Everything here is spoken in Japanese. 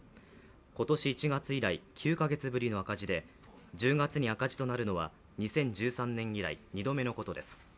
今年１月以来９か月ぶりの赤字で１０月に赤字となるのは２０１３年以来、２度目のことです。